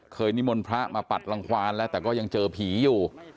นิมนต์พระมาปัดรังควานแล้วแต่ก็ยังเจอผีอยู่